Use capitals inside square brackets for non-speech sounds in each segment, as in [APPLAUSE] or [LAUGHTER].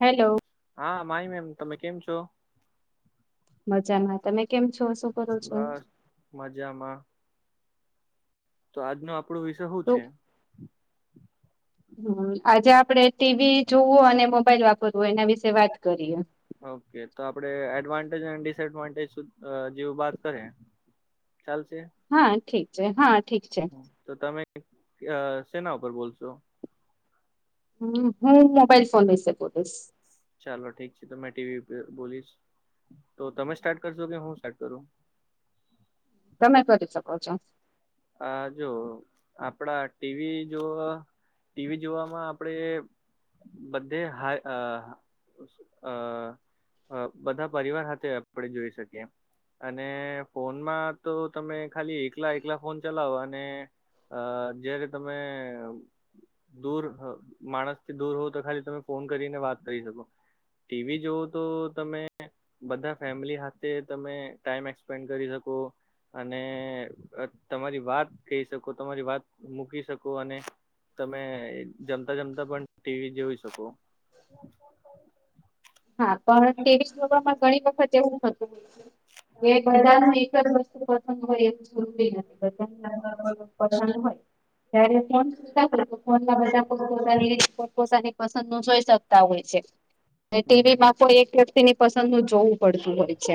Hello હા Mahi ma'am તમે કેમ છો. મજામાં તમે કેમ છો શું કરો છો બસ મજામાં. તો આજનો આપણો વિષય હું તો છે. હામ આજે આપડે ટીવી જોવું અને મોબાઈલ વાપરવું એના વિશે વાત કરીએ. ઓકે તો આપડે એડવાન્ટેજ અને ડિસએડવાન્ટેજ જેવું વાત કરે. ચાલશે. હા ઠીક છે હા ઠીક છે. તો તમે આ સેના ઉપર બોલશો. હમ્મ હું મોબાઈલ ફોન વિશે બોલીશ. ચાલો ઠીક છે તો મે ટીવી પે બોલીશ તો તમે સ્ટાર્ટ કરશો કે હું સ્ટાર્ટ કરું. તમે કરી શકો છો. આ જો આપડા ટીવી જોવા ટીવી જોવામાં આપણેે બધે હા આ આ અ બધા પરિવાર હાથે આપણે જોઈ શકીએ. અને ફોનમાં તો તમે ખાલી એકલા એકલા ફોન ચલાવો અને અ જયારે તમે દૂર આ માણસ થી દૂર હોવ તો ખાલી તમે ફોન કરીને વાત કરી શકો. ટીવી જોઓ તો તમે બધા ફેમિલી હાથે તમે ટાઈમ એસપેન્ડ કરી શકો. અને તમારી વાત કહી શકો તમારી વાત મૂકી શકો અને તમે જમતા જમતા પણ ટીવી જોઈ શકો. હા પણ તેવીસ [UNINTELLIGIBLE] ઘણી વખત એવું થતું કે બધા ને એક જ વસ્ તું પસંદ હોય એક [UNINTELLIGIBLE] પસંદ હોય. ત્યારે ફોન મુક્તજ કોઈક નો ફોન [UNINTELLIGIBLE] પોતાની પસંદો જોઈ શકતા હોય છે. ને ટીવી હમ માં કોઈ એક વ્યક્તિની પસંદ નું જોવું પડતું હોય છે.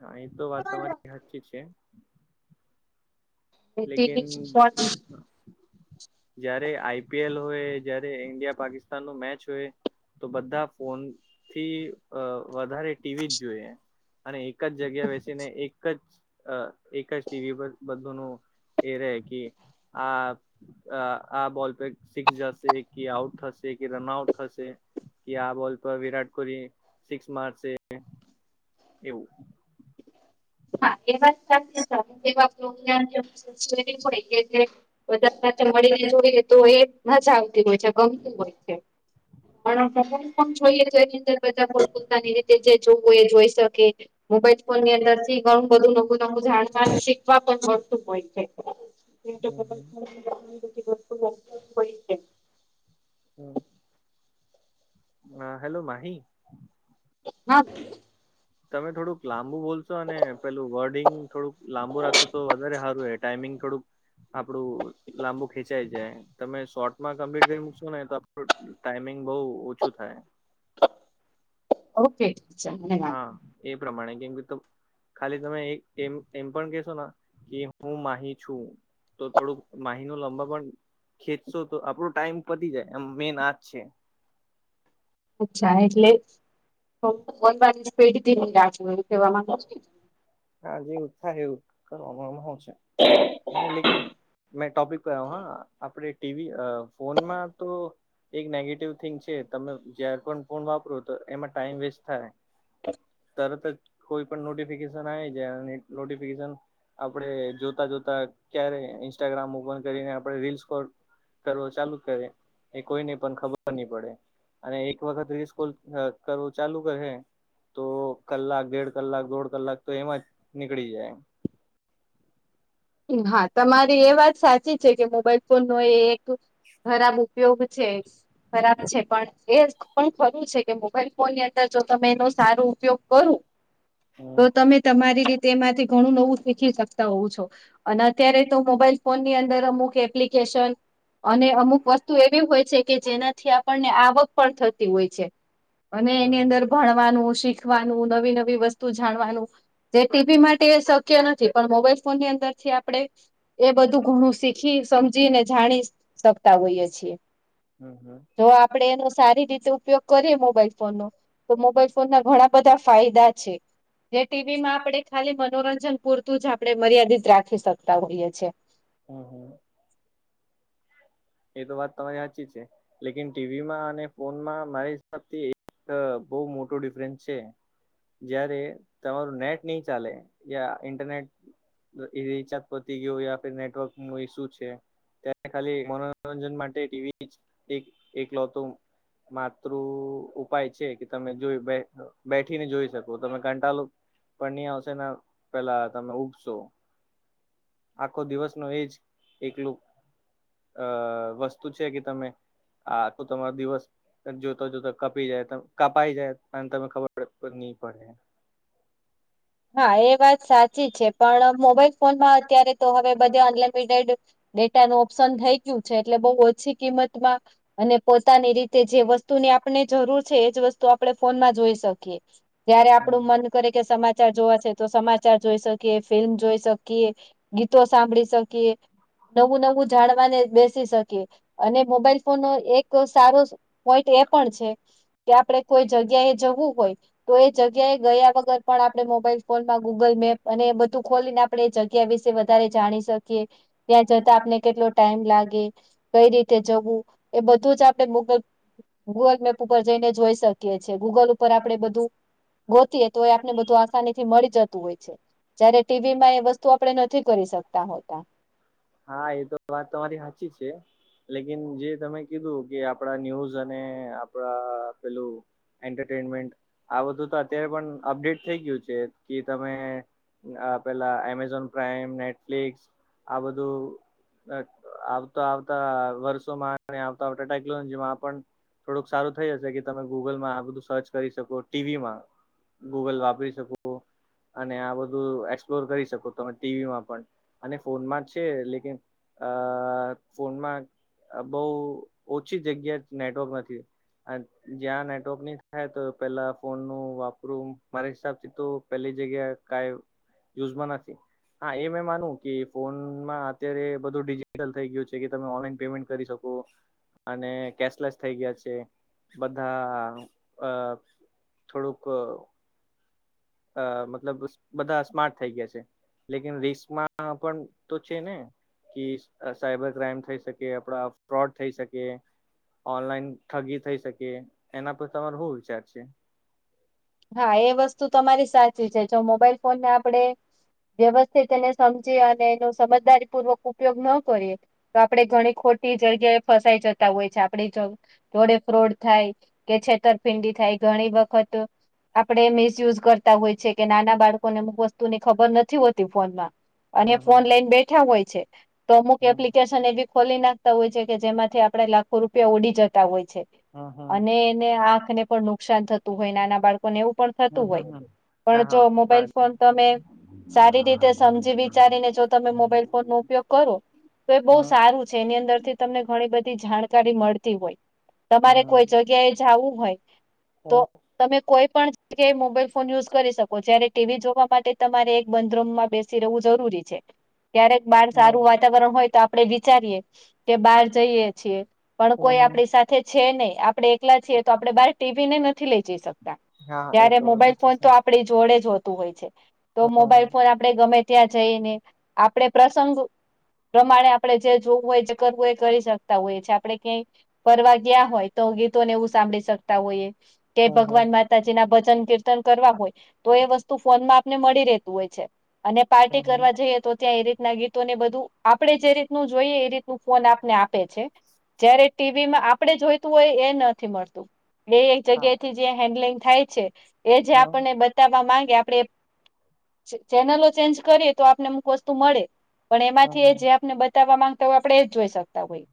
હા એ તો વાત તમારી સાચી છે. લેકિન ટીવી જયારે આઈપીએલ હોય, જયારે ઈન્ડિયા પાકિસ્તાન નું મેચ હોય. તો બધા ફોનથી અ વધારે ટીવી જ જોઈએ અને એ કજ જગ્યા બેસીને એક જ અ એક જ ટીવી પર બધુંનું એ રેય કે આ આ આ બોલ પે સિક્સ જશે કે આઉટ થશે કે રનઆઉટ થશે કે આ બોલ પર વિરાટ કોહલી સિક્સ મારશે એવું. હા એ વાત બાઞ પ ગ [UNINTELLIGIBLE] વધારે સાથે મળીને જોઈને તો એ નજ આવતી હોય છે ગમતું હોય છે [UNINTELLIGIBLE] પણ પણ જોઈએ તો એની અંદર બધા પોતાની રીતે જે જોવું એ જોઈ શકે મોબાઈલ ફોન ની અંદર ગણું બધું નું નકું જાણ જા શીખવા પણ મળતું હોય છે હમ હમ [UNINTELLIGIBLE] વસ્તુ હોય છે [INAUDIBLE] હમ [INAUDIBLE] હ હેલો માહી હા તમે થોડુંક લાંબુ બોલશો અને પેલું વર્ડિંગ થોડુંક લાંબુ રાખશો તો વધારે સારું એ ટાઈમિંગ થોડુંક આપડું લાંબુ ખેંચાઈ જાય તમે શોર્ટમાં કમ્પ્લીટ કરી મૂકશો ને તો આપણું ટાઈમિંગ બહુ ઓછું થાય ઓકે ટચ ધન્યવાદ [UNINTELLIGIBLE] હા એ પ્રમાણે કેમ કે તો ખાલી તમે એ એમ પણ કેહેશો કે હું માહી છું તો થોડુંક માહી નુ લાબા પણ ખેચશો તો આપડો ટાઈમ પતી જાય આમ મેન આજ છે અચ્છા એટલેન સ્પેડથી હું રાખ કેવા માંગ [UNINTELLIGIBLE] હા જેવું થાય એવું કરવામાં આવશે હ લેકીન મેં ટોપિક કર હા આપડે ટીવી ફોનમાં તો એક નેગેટિવ થિંગ છે તમે જયાર પણ ફોન વાપરો તો એમાં ટાઈમ વેસ્ટ થાય તો તરત જ કોઈ પણ નોટિફિકેશન આવી જાય અને નોટિફિકેશન આપણે જોતા જોતા ક્યારે ઇન્સ્ટાગ્રામ ઓપન કરીને આપણે રીલ્સ કો કરવો ચાલુ કરે એ કોઈને પણ ખબર નહી પડે અને એક વખત રીલ સ્કોલ કરવું ચાલુ કરશે તો કલાક દેડ કલાક દોઢ કલાક તો એમાં જ નીકળી જાય એમ હા તમારી એ વાત સાચી છે કે મોબાઈલ ફોન નો એ એક ખરાબ ઉપયોગ છે ખરાબ છે પણ એ પણ ખરું છે કે મોબાઈલ ફોનની અંદર જો તમે એનો સારો ઉપયોગ કરો તો હમ તમે તમારી રીતેમાંથી ઘણું નવું શીખી શકતા હોવ છો અને અત્યારે તો મોબાઈલ ફોન ની અંદર અમુક એપ્લિકેશન અને અમુક વસ્તુ એવી હોય છે કે જેનાથી આપણને આવક પણ થતી હોય છે અને હમ એની હમ અંદર ભણવાનું શીખવાનું નવી નવી વસ્તુ જાણવાનું જે ટીવી માટે શક્ય નથી પણ મોબાઈલ ફોનની અંદરથી આપણે એ બધું ઘણું શીખી સમજી ને જાણી શકતા હોઈએ છીએ હમ હમ જો આપડે એનો સારી રીતે ઉપયોગ કરીએ મોબાઈલ ફોનનો તો મોબાઈલ ફોન ના ઘણા બધા ફાયદા છે જે ટીવીમાં આપણે ખાલી મનોરંજન પૂરતું જ આપડણે મર્યાદિત રાખી શકતા હોઈએ છેએ હમ હમ એ તો વાત તમારી સાચી છે લેકન ટીવીમાં અને ફોનમાં મારા હિસાબ થી અ બહુ મોટો ડિફરન્સ છે જયારે તમારું નેટ નહી ચાલે યા ઇન્ટરનેટ રિચાર્જ પતી ગયું નેટવર્ક ન ઇસુ છે ત ખાલી મનોરંજન માટે ટીવી જ એકલો હતું માતૃ ઉપાય છે કે તમે જો બેઠીને જોઈ શકો તમે કંટાલો પણ ની આવશે પેલા તમે ઉગશો આખો દિવસ નો એજ એકલું અ વસ્તુ છે કે તમે આ તો તમારો દિવસ જોતા જોતા કપી જાય ત કપાઈ જાય અને તમે ખબર ન પડે હા એ વાત સાચી છે પણ મોબાઈલ ફોનમાં અત્યારે તો હવે બધે અનલિમિટેડ ડેટા નું ઓપ્શન થઈ ગયું છે એટલે બઉુ ઓછી કિંમતમાં અને પોતાની રીતે જે વસ્તુની આપણે જરૂર છે એજ વસ્તુ આપડણે ફોનમાં જોઈ શકી જ્યારે આપણું મન કરે કે સમાજ મા જોવા છે તો સમાચાર જોઈ શકીએ ફિલ્મ જોઈ શકીએ ગીતો સાંભળી શકીએ નવું નવું જાણવાને બેસી શકી અને મોબાઈલ ફોન ન એક સારો પોઈટ એ પણ છે કે આપડણે કોઈ જગ્યા એ જવું હોય તો એ જગ્યા એ ગયા વગર પણ આપણે મોબાઈલ ફોનમાં ગુગલ મેપ અને બધું ખોલીને આપણે એ જગ્યા વિશે વધારે જાણી શકીએ ત્યાં જતા આપને કેટલો ટાઈમ લાગે કઈ રીતે જવું એ બધું જ આપડણે ગુગલ ગૂગલ મેપ ઉપર જઈને જોઈ શકીએ છીએ ગૂગલ ઉપર આપણેે બધું ગોતીય તો એ આપને બધું આસાની થી મળી જતું હોય છે જયારે ટીવી માં એ વસ્તુ આપડે નથી કરી શકતા હોતા હા એ તો વાત તમારી સાચી છે લેકિન જે તમે કીધું કે આપડા ન્યૂઝ અને આપડા પેલું એન્ટરટેનમેન્ટ આ બધું તો અત્યારે પણ અપડેટ થઈ ગયું છે કે તમે પેલા એમેઝોન પ્રાઈમ નેટફ્લિક્સ આ બધું. આવતા આવતા વર્ષોમાં આવતા આવતા ટેકનોલોજી માં પણ. થોડુંક સારું થઈ જશે કે તમે ગુગલમાં આ બધું સર્ચ કરી શકો ટીવીમાં. ગૂગલ વાપરી શકો અને આ બધું એક્સપ્લોર કરી શકો તમે ટીવીમાં પણ અને ફોનમાં જ. છે લકન અ ફોનમાં. આ બહુ ઓછી જગ્યા નેટવર્ક નથી. જ્યાં નેટવર્ક ન થાય તો પેલા ફોનનુંું વાપરું મારા હિસાબથી તો. પેલી જગ્યા ક યુઝમાં નથી હા એ મે માનું કે ફોન. અત્યારે બધું ડિજિટલ થઈ ગયું છે કે તમે ઓનલાઈન પેમેન્ટ કરી શકો. અને કેશલેસ થઈ ગયા છે બધા અ. થોડુંક. અ મતલબ બધા સ્માર્ટ થઈ ગયા છે. લેકન રિસમાં પણ તો છે ને. કે સાઈબર ક્રાઈમ થઈ શકે આપડા ફ્રોડ થઈ શકે. ઓનલાઈન ઠગી થઈ શકે એના પર તમારો શું વિચાર છે. હા એ વસ્તુ તમારી સાચી છે જો મોબાઈલ ફોન ને આપણે. વ્યવસ્થિત એને સમજી અને એનો સમજદારી પૂર્વક ઉપયોગ ન કરીએ. તો આપડણે ઘણી ખોટી જગ્યાએ ફસાઈ જતા હોય છે આપણી. જોડે ફ્રોડ થાય કે છેતરપિંડી થાય ઘણી વખત. આપણે મિસયુઝ કરતા હોય છે કે નાના બાળકોને અમુક વસ્તુની ખબર નથી હોતી ફોનમાં. અને હમ ફોન લઈને બેઠા હોય છે તો અમુક હમ એપ્લિકેશન એ ખોલી નાખતા હોય છે કે જેમાંથી આપણે લાખો રૂપિયા ઉડી જતા હોય છે હમ હમ અને ને આંખ ને પણ નુકસાન થતું હોય નાના બાળકો ને એવું પણ થતું હમ હોય હ હમ. હા પણ જો હા મોબાઈલ હા ફોન તમે સારી રીતે સમજી વિચારીને જો તમે મોબાઈલ ફોન નો ઉપયોગ કરો. તો એ બહુ હમ સારું છે એની અંદરથી તમને ઘણી બધી જાણકારી મળતી હોય. તમારે કોઈ હમ જગ્યાએ જવું હોય તો હમ તમે કોઈ પણ જે મોબાઈલ ફોન યુઝ કરી શકો જ્યારે ટીવી જોવા માટે તમારે એક બંધરૂમમાં બેસી રહેવું જરૂરી છે. છેે. ક્યારેક બહાર સારું વાતાવરણ હોય તો આપડે વિચારીએ કે બહાર જઈએ છીએ. પણ હમ કોઈ હમ આપણી સાથે છે નહી આપણે એકલા છીએ તો આપણે બહાર ટીવી ને નથી લઈ જઈ શકતા. હા એ ત્યારે તો મોબાઈલ સાચું ફોન તો છે આપડી જોડે જ હોતું હોય છે તો હા મોબાઈલ ફોન હા આપણે ગમે ત્યાં જઈને આપડે પ્રસંગો પ્રમાણે આપણે જે જોવું હોય જે કરવું હો એ કરી શકતા હોય છે આપણે ક્યાંય ફરવા ગયા હોય તો ગીતોને એવું સાંભળી શકતા હોઈએ કે હા હા ભગવાન મા માતાજી ના ભજન કીર્તન કરવા હોય તો એ વસ્તુ ફોનમાં આપને મળી રહેતું હોય છે. અને પાર્ટી હા હા કરવા જઈએ તો ત્યાં એ રીતના ગીત તોને બધું આપણે જે રીતનું જોઈએ એ રીતનું ફોન આપને આપે છે. જયારે ટીવી માં આપણેે જોઈતું હોય એ નથી મળતું. એ એક હા જગ્યાથી જે હેન્ડલિંગ થાય છે એ જે હા હા આપણને બ બતાવા માંગે આપણેે ચેનલો ચેન્જ કરીએ તો આપને અમુક વસ્તુ મળે. પણ એમાંથી હા હા જે આપને બતાવવા માંગતા હોય આપણે એ જ જોઈ શકતા હોય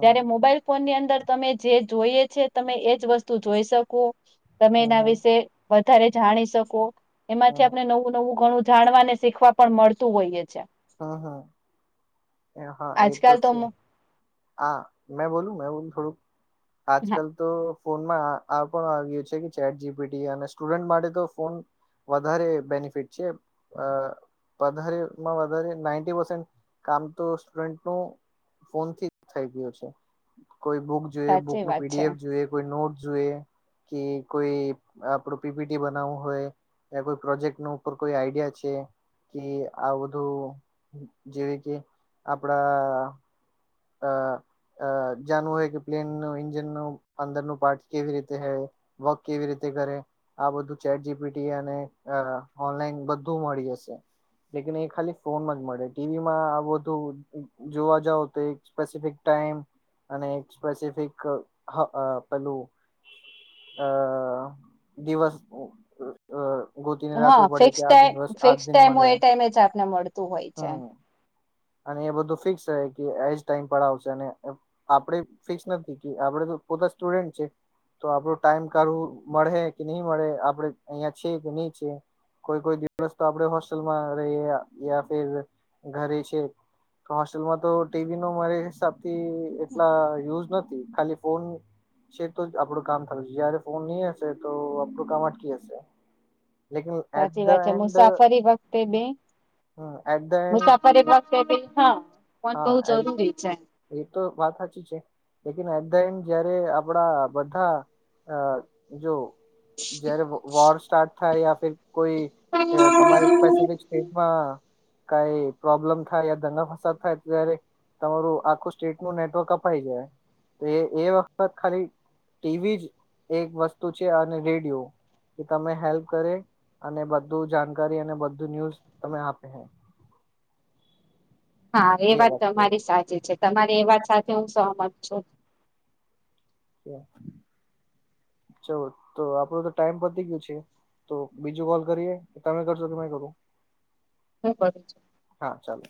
જ્યારે મોબાઈલ ફોન ની અંદર તમે જે જોઈએ છે તમે એજ વસ્તુ જોઈ શકો તમે હા એના વિશે વધારે જાણી શકો એમાંથી આપણે નવ વું ઘણું જાણવા ને શીખવા પણ મળતું હોઈએ છે. હા હા એ હા એ તો છે. હા મેં બોલું મે બોલું થોડુંક આજ હા કલ તો ફોનમાં આ પણ આવ્યું છે કે ચેટ જીપીટી અને સ્ટુડન્ટ માટે તો ફોન વધારે બેનિફિટ છે અ વધારેમાં [UNINTELLIGIBLE] નાઇટી પર્સન્ટ કામ તો સ્ટુડન્ટ નુ ફોનથી થઈ ગયું છે. કોઈ બુક જોઈએ, સાચી બુકનું વાત છે પીડીએફ જોઈએ, કોઈ નોટ જોઈએ. કે કોઈ આપડું પીપીટી બનાવવું હોય. [UNINTELLIGIBLE] કોઈ પ્રોજેક્ટ નુ ઉપર કોઈ આઈડિયા છે કે આ બધું જેવી કે આપડા અ જાણવું હોય કે પ્લેન નું ઇન્જનનું અંદરનું પાર્ટ કેવી રીતે હે વક કેવી રીતે કરે? આ બધું ચેટ જીપીટી અને ઓનલાઈન બધું મળી જશે. લેકિન એ ખાલી ફોનમાં જ મળે ટીવીમાં આ બધું જોવા જાવ તો એ સ્પેસિફિક ટાઈમ અને એક સ્પેસિફિક હ પેલું અ દિવસ અ ગોતીને હા રાખવું પડે કે ફિક્સ આ ટાઈમ દિવસ આજ ફિક્સ દિન ટાઈમ મળે હોય એ ટાઈમે જ આપને મળતું હોય છે હમ અને એ બધું ફિક્સ છે કે એજ ટાઈમ પર આવશે અને આપડે ફિક્સ નથી કે આપડે તો પોતે સ્ટુડન્ટ છે. તો આપડો ટાઈમ કાઢવું મળે કે નહી મળે આપણે અહિયાં છી કે નહી છે. કોઈ કોઈ દિવસ તો આપણેે હોસ્ટેલમાં રહીએ યા ફિર ઘરે છે. હોસ્ટેલમાં તો ટીવી નો મારી હિસાબથી એટલા યુઝ નથી ખાલી ફોન છે તો જ આપડું કામ થારું છે જયારે ફોન નહી હશે તો આપણું કામ અટકી હશે. લેકન એટ ધ એન્ડ તે બે, એટ ધ એન્ડ મુસાફરી હા [UNINTELLIGIBLE] હા એડ જરૂરી છે એ તો વાત સાચી છે, લેકન એટ ધ એન્ડ જયારે આપડા બધા આ જો જયારે વોર સ્ટાર્ટ થાય યા કોઈ તમારી હા ેસફિક સ્ટેટમાં કઈ પ્રોબ્લમ થાય દંગા ફસદ થાય. જારે તમારું આખું સ્ટેટ નું નેટવર્ક અપાઈ જાય, એ એ વખત ખાલી ટીવી જ એક વસ્તુ છે અને રેડિયો. કે તમે હેલ્પ કરે, અને બધું જાણકારી અને બધું ન્યુઝ તમે આપે. હા એ વાત તમારી સાચી છે તમારી એ વાત સાથે હું સહમત છું. ચાલ તો આપડો તો ટાઈમ પરથી ગયો છે. તો બીજું કોલ કરીએ કે તમે કરશો કે મે કરું? હ કરી છે. હા ચાલો.